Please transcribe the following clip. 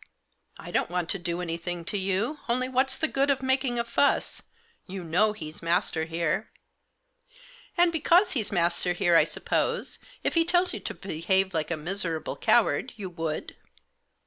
u I don't want to do anything to you. Only what's the good of making a fuss ? You know he's master here." " And, because he's master here, I suppose, if he tells you to behave like a miserable coward, you would